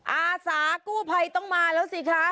อาสากู้ภัยต้องมาแล้วสิคะ